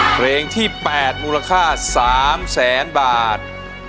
เพลงที่๘มูลค่า๓แสนบาท